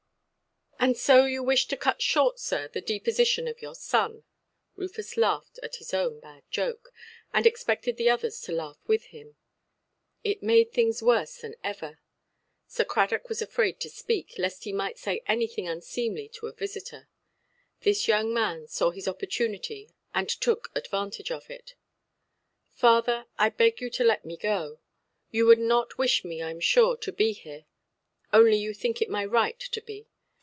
"And so you wish to cut short, sir, the deposition of your son". Rufus laughed at his own bad joke, and expected the others to laugh with him. It made things worse than ever. Sir Cradock was afraid to speak, lest he might say anything unseemly to a visitor. The young man saw his opportunity, and took advantage of it. "Father, I beg you to let me go. You would not wish me, I am sure, to be here; only you think it my right to be.